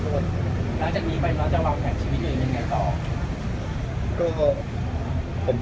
แล้วจะลองแบบชีวิตยังไงต่อ